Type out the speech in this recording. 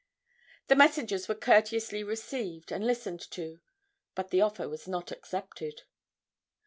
The messengers were courteously received and listened to, but the offer was not accepted.